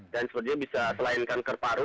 dan sepertinya bisa selain kanker paru